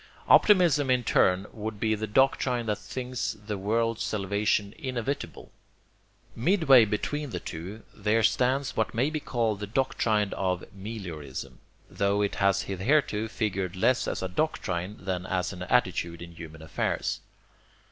Optimism in turn would be the doctrine that thinks the world's salvation inevitable. Midway between the two there stands what may be called the doctrine of meliorism, tho it has hitherto figured less as a doctrine than as an attitude in human affairs.